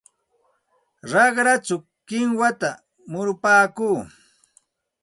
Raqrachaw kinwata murupaakuu.